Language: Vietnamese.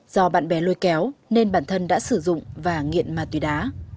do bạn bè lôi kéo nên bản thân đã sử dụng và nghiện ma túy đá